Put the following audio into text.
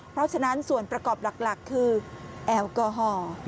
เพราะฉะนั้นส่วนประกอบหลักคือแอลกอฮอล์